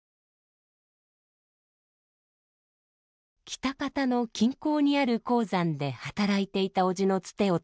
喜多方の近郊にある鉱山で働いていたおじのつてを頼り